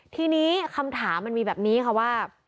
ทีนี้คำถามมันมีแบบนี้ค่ะว่า